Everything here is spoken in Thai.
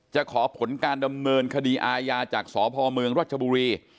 จะขอผลการดำเนินคดีอาญาจากสพเมืองรัชบุรี